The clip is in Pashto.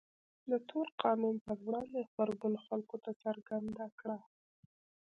د تور قانون پر وړاندې غبرګون خلکو ته څرګنده کړه.